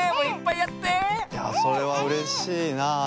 いやそれはうれしいな。